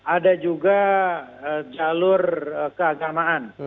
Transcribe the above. ada juga jalur keagamaan